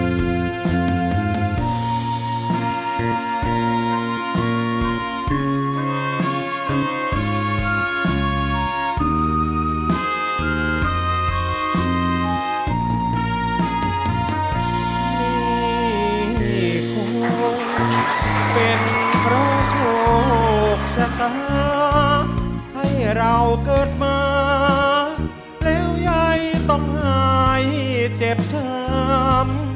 คงเป็นเพราะโชคชะตาให้เราเกิดมาแล้วยายต้องหายเจ็บชาม